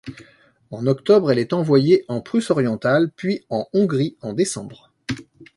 En octobre, elle est envoyée en Prusse orientale, puis en Hongrie en décembre.